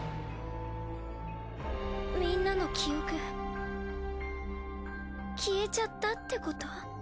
みんなの記憶消えちゃったってこと？